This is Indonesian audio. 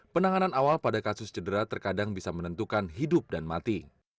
penanganan awal pada kasus cedera terkadang bisa menentukan hidup dan mati